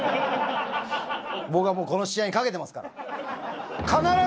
僕はもうこの試合にかけてますから。